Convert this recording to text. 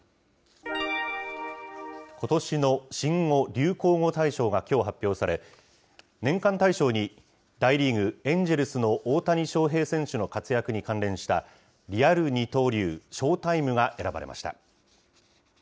ことしの新語・流行語大賞がきょう発表され、年間大賞に、大リーグ・エンジェルスの大谷翔平選手の活躍に関連した、リアル二刀流／ショータイムが選ばれました。